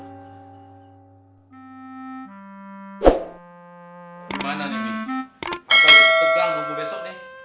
gimana nih mi abah itu tegal munggu besok nih